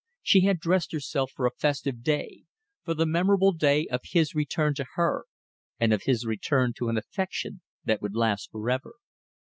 She had dressed herself for a festive day, for the memorable day of his return to her, of his return to an affection that would last for ever.